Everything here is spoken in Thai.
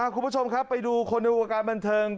คุณผู้ชมครับไปดูคนในวงการบันเทิง